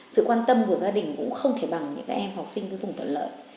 sự quan tâm của gia đình cũng không thể bằng những cái em học sinh cái vùng tuần lợi